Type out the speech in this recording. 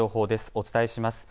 お伝えします。